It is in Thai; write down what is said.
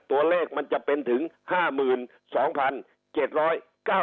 ตัวเลขมันจะเป็นถึง๕๒๗๙บาท